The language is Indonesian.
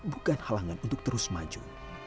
bukan halangan untuk terus maju